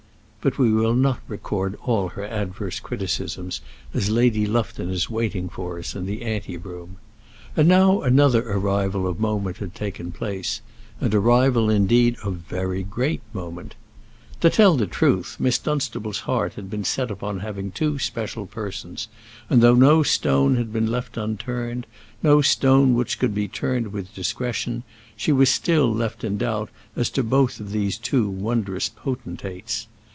But we will not record all her adverse criticisms, as Lady Lufton is waiting for us in the ante room. And now another arrival of moment had taken place; an arrival indeed of very great moment. To tell the truth, Miss Dunstable's heart had been set upon having two special persons; and though no stone had been left unturned, no stone which could be turned with discretion, she was still left in doubt as to both these two wondrous potentates.